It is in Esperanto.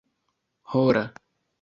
hora